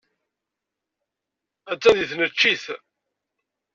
Attan deg tneččit.